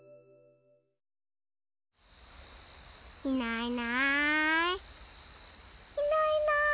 いないいない。